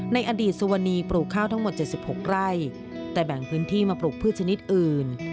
ในอดีตสุวรรณีปลูกข้าวทั้งหมด๗๖ไร่แต่แบ่งพื้นที่มาปลูกพืชชนิดอื่น